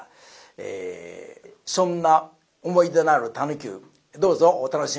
えそんな思い出のある「田能久」どうぞお楽しみ下さいませ。